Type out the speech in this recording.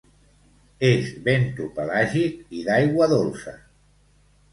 És bentopelàgic i d'aigua dolça.